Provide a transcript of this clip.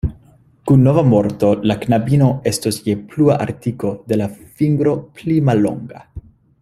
Kun nova morto la knabino estos je plua artiko de la fingro pli mallonga.